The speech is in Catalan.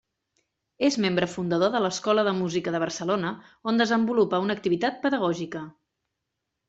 És membre fundador de l'Escola de Música de Barcelona, on desenvolupa una activitat pedagògica.